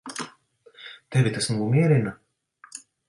Tevi tas nomierina?